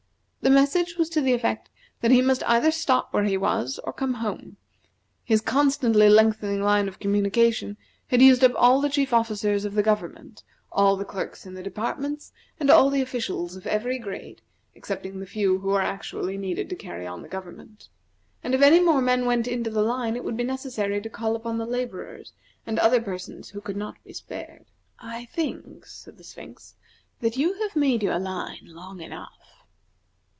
The message was to the effect that he must either stop where he was or come home: his constantly lengthening line of communication had used up all the chief officers of the government, all the clerks in the departments, and all the officials of every grade, excepting the few who were actually needed to carry on the government, and if any more men went into the line it would be necessary to call upon the laborers and other persons who could not be spared. "I think," said the Sphinx, "that you have made your line long enough."